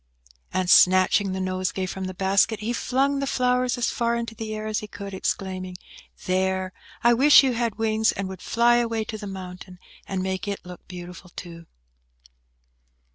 And, snatching the nosegay from the basket, he flung the flowers as far into the air as he could, exclaiming, "There! I wish you had wings, and would fly away to the mountain, and make it look beautiful, too!"